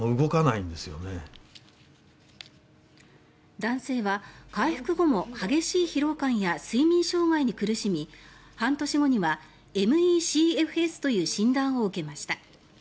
男性は回復後も激しい疲労感や睡眠障害に苦しみ半年後にはＭＥ／ＣＦＳという診断を受けました。